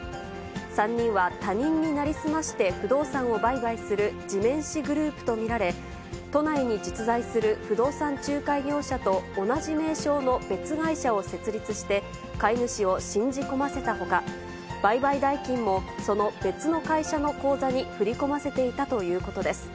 ３人は他人に成り済まして不動産を売買する地面師グループと見られ、都内に実在する不動産仲介業者と同じ名称の別会社を設立して、買い主を信じ込ませたほか、売買代金も、その別の会社の口座に振り込ませていたということです。